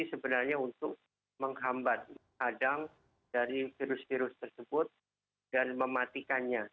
sebenarnya untuk menghambat kadang dari virus virus tersebut dan mematikannya